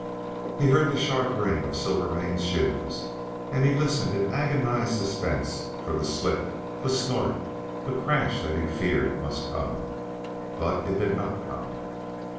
He heard the sharp ring of Silvermane's shoes, and he listened in agonized suspense for the slip, the snort, the crash that he feared must come. But it did not come.